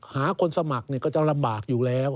หาคนสมัครก็จะลำบากอยู่แล้ว